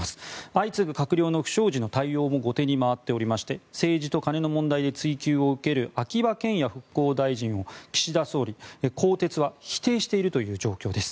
相次ぐ閣僚の不祥事の対応も後手に回っていまして政治と金の問題で追及を受ける秋葉賢也復興大臣を岸田総理、更迭は否定しているという状況です。